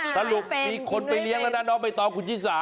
สรุปมีคนไปเลี้ยงแล้วนะน้องใบตองคุณชิสา